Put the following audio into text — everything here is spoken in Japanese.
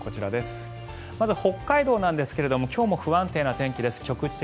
まず北海道ですが今日も不安定な天気です。